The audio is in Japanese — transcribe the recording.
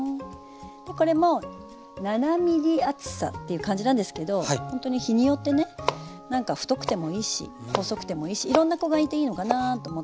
でこれも７ｍｍ厚さっていう感じなんですけどほんとに日によってねなんか太くてもいいし細くてもいいしいろんな子がいていいのかなと思ったりも。